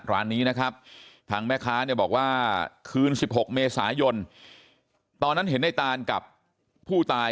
ร้านนี้นะครับทางแม่ค้าเนี่ยบอกว่าคืน๑๖เมษายนตอนนั้นเห็นในตานกับผู้ตาย